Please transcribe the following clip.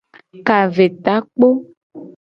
Kavetakpo.